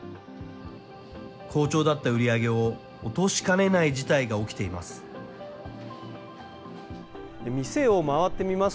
好調だった売り上げを落としかねない事態が起きています。